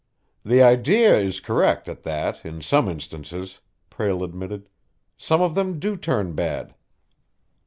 "The idea is correct, at that, in some instances," Prale admitted. "Some of them do turn bad."